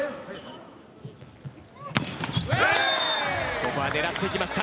ここは狙っていきました。